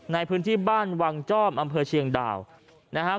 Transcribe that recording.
ในพื้นที่บ้านวังจ้อมอำเภอเชียงดาวนะฮะ